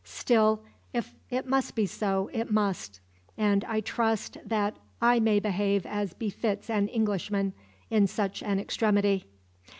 Still, if it must be so, it must; and I trust that I may behave as befits an Englishman, in such an extremity."